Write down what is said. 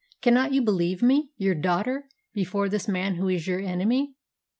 Cannot you believe me, your daughter, before this man who is your enemy?"